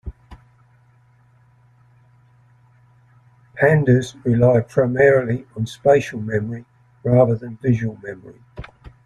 Pandas rely primarily on spatial memory rather than visual memory.